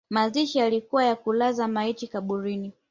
Mazishi yalikuwa ya kulaza maiti kaburini